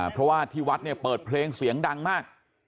เพราะว่าที่วัดเนี่ยเปิดเพลงเสียงดังมาก